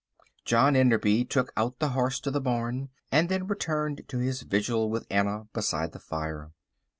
John Enderby took out the horse to the barn, and then returned to his vigil with Anna beside the fire.